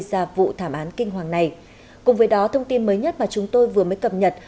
ra vụ thảm án kinh hoàng này cùng với đó thông tin mới nhất mà chúng tôi vừa mới cập nhật